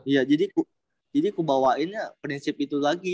iya jadi ku bawain prinsip itu lagi